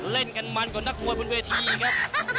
เล่นกันมันกว่านักมวยบนเวทีครับ